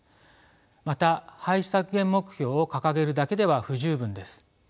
また排出削減目標を掲げるだけでは不十分です。